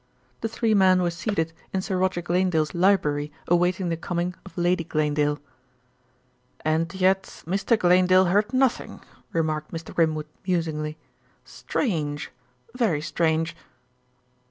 The three men were seated in Sir Roger Glanedale's library awaiting the coming of Lady Glanedale. "And yet Mr. Glanedale heard nothing," remarked Mr. Grimwood musingly. "Strange, very strange."